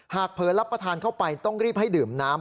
เผลอรับประทานเข้าไปต้องรีบให้ดื่มน้ำ